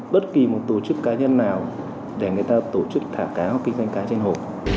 bất kỳ một tổ chức cá nhân nào để người ta tổ chức thả cá hoặc kinh doanh cá trên hồ